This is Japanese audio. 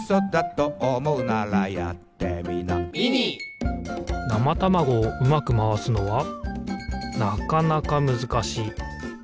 なまたまごをうまくまわすのはなかなかむずかしい。